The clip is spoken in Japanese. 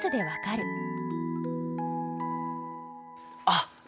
あっ！